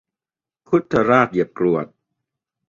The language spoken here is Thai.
คุดทะราดเหยียบกรวด